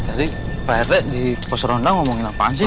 tadi pak rt di pos ronda ngomongin apaan sih